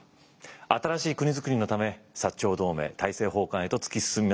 新しい国づくりのため長同盟大政奉還へと突き進みます。